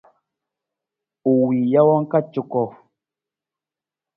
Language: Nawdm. U wii jawang ka cuko.